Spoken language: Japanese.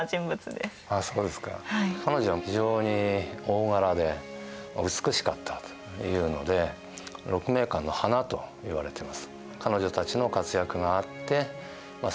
彼女は非常に大柄で美しかったというので「鹿鳴館の花」といわれてます。